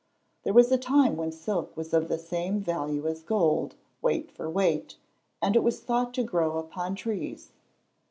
There was a time when silk was of the same value as gold weight for weight and it was thought to grow upon trees.